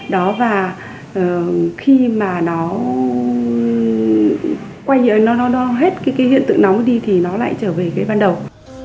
đó và khi mà nó hết cái hiện tượng nóng đi thì nó lại trở về cái ban đầu